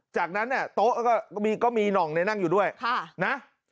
จากนั้นเนี่ยโต๊ะก็มีหน่องในนั่งอยู่ด้วยนะ